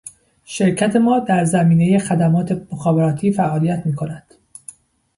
شرکت ما در زمینه خدمات مخابراتی فعالیت میکند